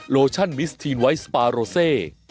โลชั่นมิสทีนไวท์สปาโรเซ